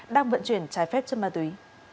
đang vận chuyển trái phép trên ma túy